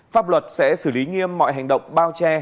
pháp luật sẽ xử lý nghiêm mọi hành động bao che